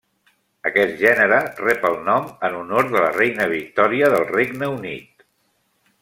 Aquest gènere rep el nom en honor de la reina Victòria del Regne Unit.